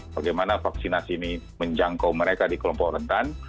bagaimana vaksinasi ini menjangkau mereka di kelompok rentan